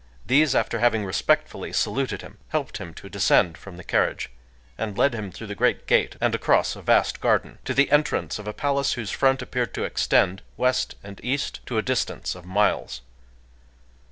These, after having respectfully saluted him, helped him to descend from the carriage, and led him through the great gate and across a vast garden, to the entrance of a palace whose front appeared to extend, west and east, to a distance of miles.